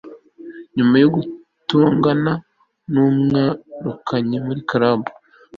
nyuma yo gutongana, bamwirukanye muri club